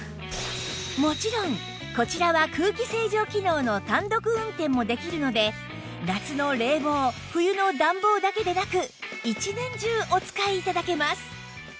もちろんこちらは空気清浄機能の単独運転もできるので夏の冷房冬の暖房だけでなく一年中お使い頂けます